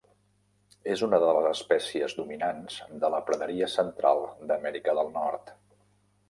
És una de les espècies dominants de la praderia central d'Amèrica del nord.